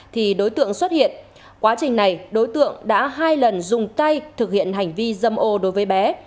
thì đối tượng xuất hiện quá trình này đối tượng đã hai lần dùng tay thực hiện hành vi dâm ô đối với bé